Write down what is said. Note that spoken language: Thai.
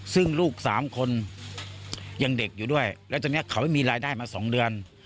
ซึ่งลูกสามคนยังเด็กอยู่ด้วยแล้วตอนนี้เขาไม่มีรายได้มา๒เดือน